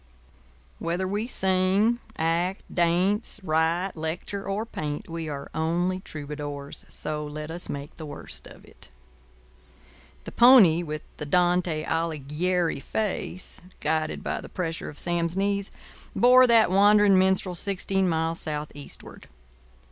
Whether we sing, act, dance, write, lecture, or paint, we are only troubadours; so let us make the worst of it. The pony with the Dante Alighieri face, guided by the pressure of Sam's knees, bore that wandering minstrel sixteen miles southeastward.